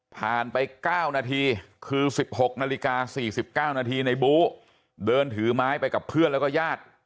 ไป๙นาทีคือ๑๖นาฬิกา๔๙นาทีในบู๊เดินถือไม้ไปกับเพื่อนแล้วก็ญาติ